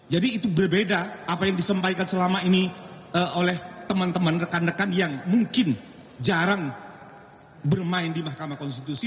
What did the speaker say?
jadi itu berbeda apa yang disampaikan selama ini oleh teman teman rekan rekan yang mungkin jarang bermain di mahkamah konstitusi